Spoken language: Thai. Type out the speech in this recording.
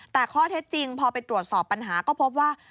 แต่ข้อเท็จจริงพอไปตรวจสอบปัญหาก็พบว่า